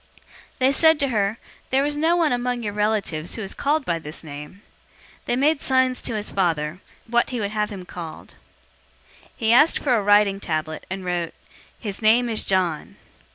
001:061 They said to her, "There is no one among your relatives who is called by this name." 001:062 They made signs to his father, what he would have him called. 001:063 He asked for a writing tablet, and wrote, "His name is John."